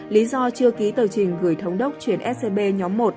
lý do chưa ký tờ trình gửi thống đốc chuyển scb nhóm một